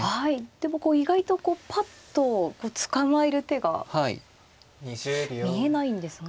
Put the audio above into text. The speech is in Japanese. でも意外とぱっと捕まえる手が見えないんですが。